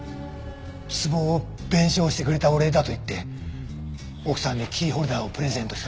壺を弁償してくれたお礼だと言って奥さんにキーホルダーをプレゼントした時。